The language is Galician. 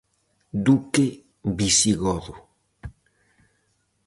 Duque visigodo.